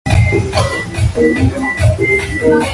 The strike lasted only a week but generated national debate.